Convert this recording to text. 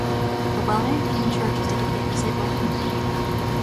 The well-maintained church is dedicated to Saint Michael.